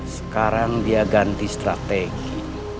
sekarang dia ganti strategi